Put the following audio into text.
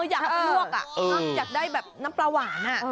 อยากไปลวกอยากได้แบบน้ำปลาหวาน